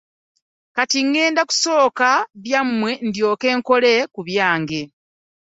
Kati ŋŋenda kusooka byammwe ndyoke nkole ku byange.